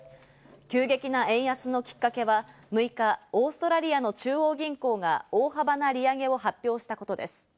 急激な円安のきっかけは６日、オーストラリアの中央銀行が大幅な利上げを発表したことです。